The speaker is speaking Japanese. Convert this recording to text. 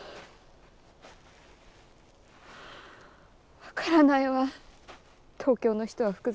分からないわ東京の人は複雑で。